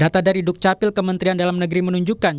data dari dukcapil kementerian dalam negeri menunjukkan